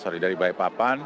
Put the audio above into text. sorry dari balikpapan